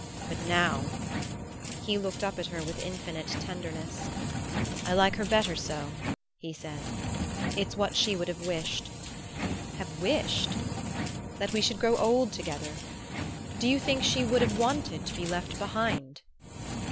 But now " he looked up at her with infinite tenderness. "I like her better so," he said. "It's what she would have wished." "Have wished?" "That we should grow old together. Do you think she would have wanted to be left behind?"